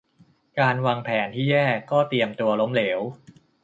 การวางแผนที่แย่ก็เตรียมตัวล้มเหลว